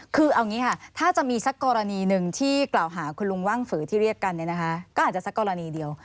คือเอางี้ถ้าจะมีสักกรณีที่กล่าวหาคุณลุงว่างฝือที่เรียกกันนะฮะก็อาจจะสักกรณีเดียว